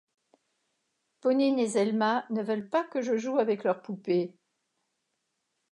Ponine et Zelma ne veulent pas que je joue avec leurs poupées.